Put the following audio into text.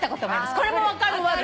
これも分かるわ私。